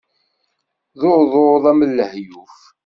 D uḍuḍ af leḥyuḍ.